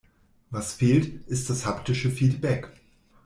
Was fehlt, ist das haptische Feedback.